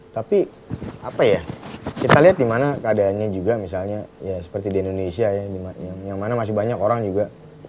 tapi apa ya kita lihat dimana keadaannya juga misalnya ya seperti di indonesia ya yang mana masih banyak orang juga